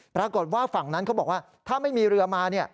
ปรากฏว่าฝั่งนั้นเขาบอกว่าถ้าไม่มีเรือมา